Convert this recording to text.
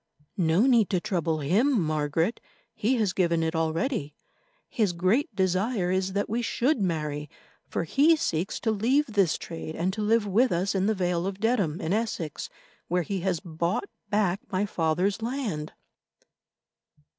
"No need to trouble him, Margaret. He has given it already. His great desire is that we should marry, for he seeks to leave this trade and to live with us in the Vale of Dedham, in Essex, where he has bought back my father's land."